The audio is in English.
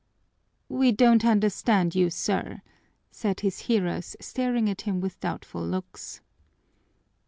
"We don't understand you, sir," said his hearers, staring at him with doubtful looks.